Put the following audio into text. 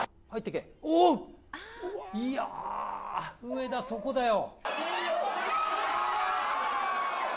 いや、上田、そこだよ。